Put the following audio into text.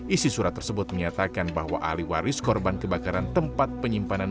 isi surat tersebut menyatakan bahwa ahli waris korban kebakaran tempat penyimpanan